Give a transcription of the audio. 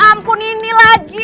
ya ampun ini lagi